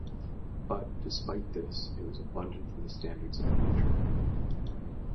But, despite this, it was abundant for the standards of any trip